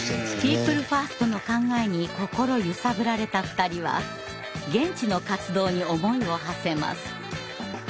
ピープルファーストの考えに心揺さぶられた２人は現地の活動に思いをはせます。